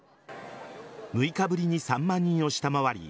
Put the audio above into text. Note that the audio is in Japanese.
６日ぶりに３万人を下回り